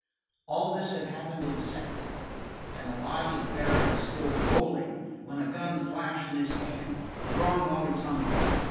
All this had happened in a second, and the body of Barry was still rolling when a gun flashed in his hand, drawn while he tumbled.